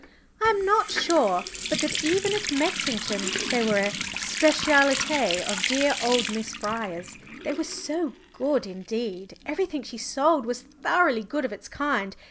And I am not sure but that even at Mexington they were a spécialité of dear old Miss Fryer's. They were so good; indeed, everything she sold was thoroughly good of its kind.